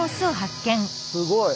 すごい。